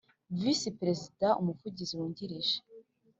Visi perezida Umuvugizi Wungirije